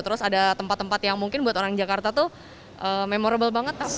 terus ada tempat tempat yang mungkin buat orang jakarta tuh memorable banget